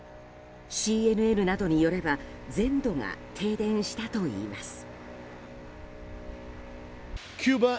ＣＮＮなどによれば全土が停電したといいます。